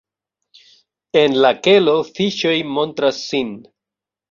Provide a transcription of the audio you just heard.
En la kelo fiŝoj montras sin.